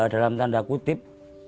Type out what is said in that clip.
dalam tanda kutip